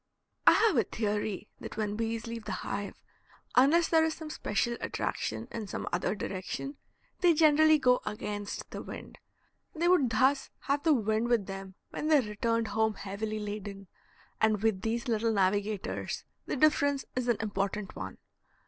I have a theory that when bees leave the hive, unless there is some special attraction in some other direction, they generally go against the wind. They would thus have the wind with them when they returned home heavily laden, and with these little navigators the difference is an important one.